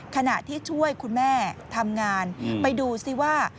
ขณะที่ช่วยคุณแม่ทำงานไปดูซิว่า